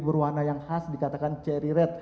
berwarna yang khas dikatakan cherry red